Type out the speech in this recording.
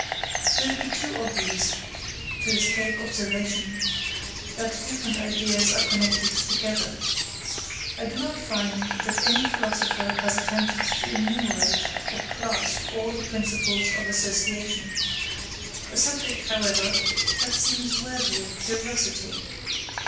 19. Though it be too obvious to escape observation, that different ideas are connected together; I do not find that any philosopher has attempted to enumerate or class all the principles of association; a subject, however, that seems worthy of curiosity.